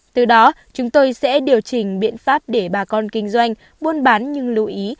từ đó chúng tôi sẽ điều chỉnh biện pháp để bà con kinh doanh buôn bán nhưng lưu ý